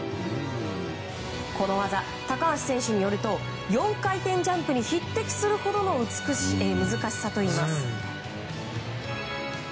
この技、高橋選手によると４回転ジャンプに匹敵するほどの難しさといいます。